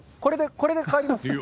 これで帰ります。